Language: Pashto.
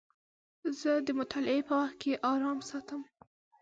زه د مطالعې په وخت کې ارام ساتم.